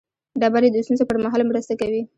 ډبرې د ستونزو پر مهال مرسته کوي.